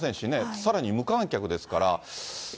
さらに無観客ですから。